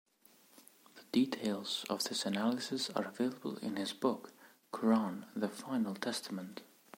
The details of this analysis are available in his book, "Quran, the Final Testament".